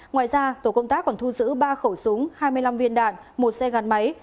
ngoài ra tổ công tác còn thu giữ ba khẩu súng hai mươi năm viên đạn một xe gắn máy